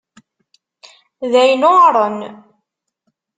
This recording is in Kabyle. D ayen yuɛṛen.